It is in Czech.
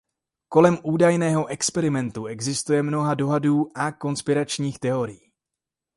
Kolem údajného experimentu existuje mnoho dohadů a konspiračních teorií.